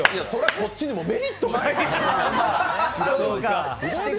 こっちにもメリットが。